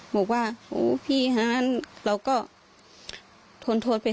บอกว่าโอ้พี่เราก็ทนโทษไปเถอะ